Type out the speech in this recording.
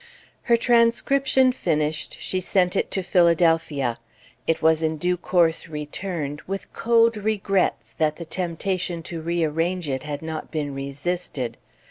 Her transcription finished, she sent it to Philadelphia. It was in due course returned, with cold regrets that the temptation to rearrange it had not been resisted.